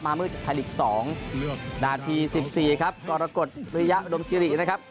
มาเมื่อจัดผ่านอีก๒นาที๑๔ครับกรกฎรุยะดมซิรินะครับ